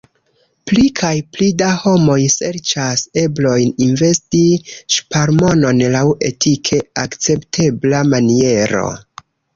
Pli kaj pli da homoj serĉas eblojn investi ŝparmonon laŭ etike akceptebla maniero.